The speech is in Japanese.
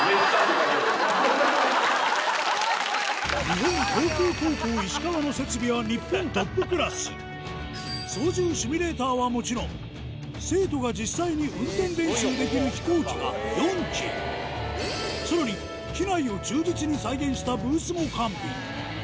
日本航空高校石川の操縦シミュレーターはもちろん生徒が実際に運転練習できるさらに機内を忠実に再現したブースも完備